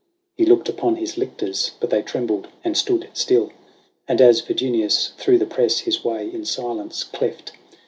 He looked upon his lictors ; but they trembled, and stood still. And, as Virginius through the press his way in silence cleft.